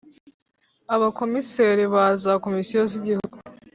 Abakomiseri ba za komisiyo z igihugu